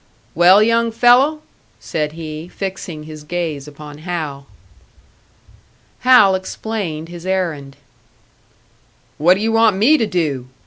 "Well, young fellow?" said he, fixing his gaze upon Hal. Hal explained his errand. "What do you want me to do?"